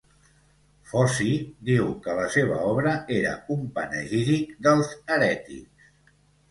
Foci diu que la seva obra era un panegíric dels herètics.